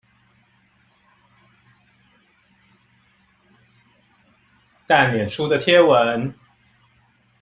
但臉書的貼文